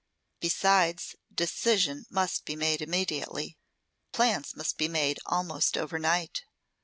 Besides, decision must be made immediately. Plans must be made almost overnight.